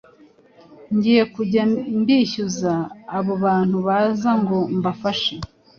ngiye kujya mbishyuza abo bantu baza ngo mbafashe